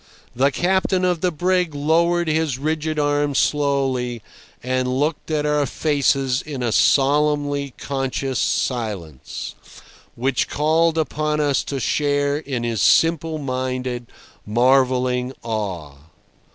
The captain of the brig lowered his rigid arm slowly, and looked at our faces in a solemnly conscious silence, which called upon us to share in his simple minded, marvelling awe.